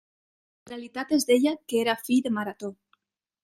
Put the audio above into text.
En realitat es deia que era fill de Marató.